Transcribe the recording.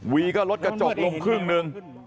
วีก็รถกระจกลมครึ่งนึง